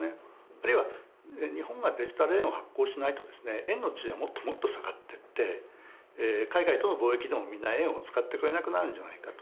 あるいは日本がデジタル円を発行しないとですね円の地位はもっともっと下がってって海外との貿易でもみんな円を使ってくれなくなるんじゃないかと。